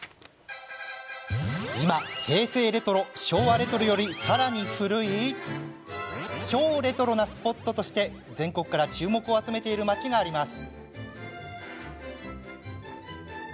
今、平成レトロ昭和レトロより、さらに古い超レトロなスポットとして全国から注目を集めている町があります。